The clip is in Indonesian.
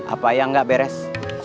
apa yang gak beres